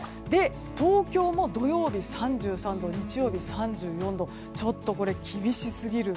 東京も土曜日、３３度日曜日、３４度とちょっと厳しすぎる